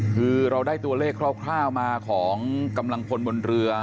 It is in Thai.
คือเราได้ตัวเลขคร่าวมาของกำลังพลบนเรือ